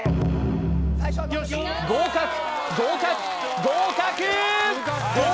合格合格合格！